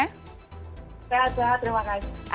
sehat sehat terima kasih